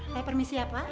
eh permisi ya pak